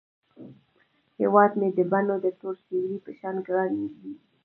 هیواد مې د بڼو د تور سیوري په شان ګران دی